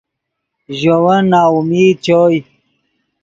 ژے ون ناامید چوئے